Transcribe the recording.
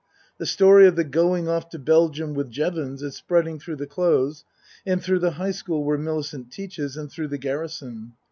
The story of the going off to Belgium with Jevons is spreading through the Close, and through the High School where Millicent teaches, and through the garrison.